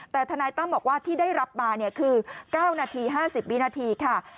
แต่ทนายตั้มบอกว่าที่ได้รับมาคือ๙นาที๕๐วินาทีค่ะ